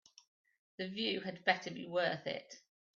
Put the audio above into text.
The view had better be worth it.